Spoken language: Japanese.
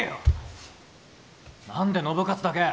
何で信勝だけ！？